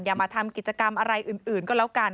มาทำกิจกรรมอะไรอื่นก็แล้วกัน